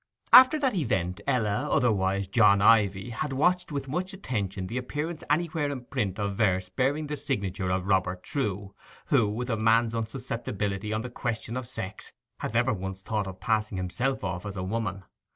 After that event Ella, otherwise 'John Ivy,' had watched with much attention the appearance anywhere in print of verse bearing the signature of Robert Trewe, who, with a man's unsusceptibility on the question of sex, had never once thought of passing himself off as a woman.